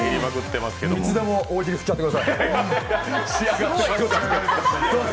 いつでも大喜利振っちゃってください。